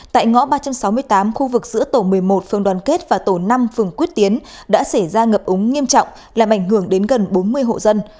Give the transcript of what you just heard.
tại ngõ ba trăm sáu mươi tám khu vực giữa tổ một mươi một phường đoàn kết và tổ năm phường quyết tiến đã xảy ra ngập úng nghiêm trọng làm ảnh hưởng đến gần bốn mươi hộ dân